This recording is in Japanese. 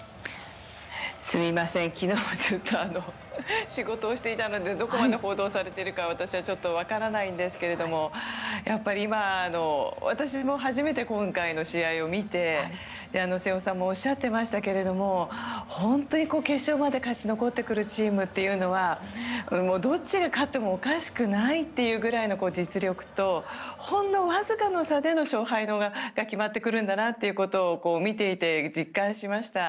すみません、昨日はずっと仕事をしていたのでどこまで報道されているかは私はちょっとわからないのですがやっぱり今、私も初めて今回の試合を見て瀬尾さんもおっしゃってましたけれども本当に決勝まで勝ち残ってくるチームというのはどっちが勝ってもおかしくないというぐらいの実力とほんのわずかな差で勝敗が決まってくるんだなということを見ていて実感しました。